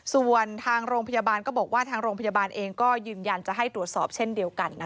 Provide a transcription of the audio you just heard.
ส่วนทางโรงพยาบาลก็บอกว่าทางโรงพยาบาลเองก็ยืนยันจะให้ตรวจสอบเช่นเดียวกัน